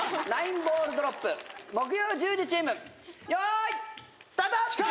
９ボールドロップ木曜１０時チームよーいスタート！